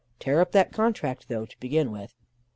Tear up that contract, though, to begin with.